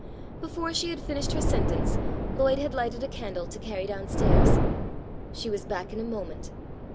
Before she had finished her sentence Lloyd had lighted a candle to carry down stairs. She was back in a moment.